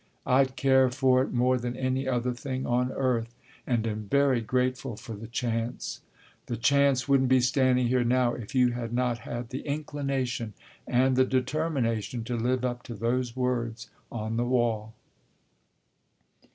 "I'd care for it more than any other thing on earth, and am very grateful for the chance." "The chance wouldn't be standing here now if you had not had the inclination and the determination to live up to those words on the wall."